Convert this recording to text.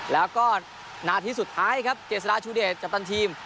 แล้วก็นาทีสุดท้ายครับเจษฎาชูเดชกัปตันทีม